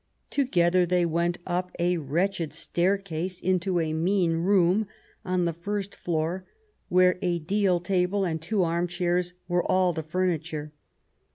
Together they went up a wretched staircase into a mean room on the first floor where a deal table and two armchairs were all the furniture.